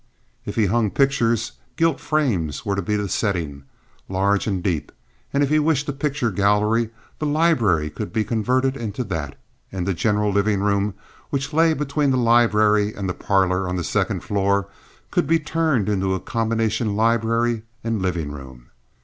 If he hung pictures, gilt frames were to be the setting, large and deep; and if he wished a picture gallery, the library could be converted into that, and the general living room, which lay between the library and the parlor on the second floor, could be turned into a combination library and living room.